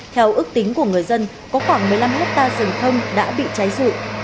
theo ước tính của người dân có khoảng một mươi năm hectare rừng thông đã bị cháy rụ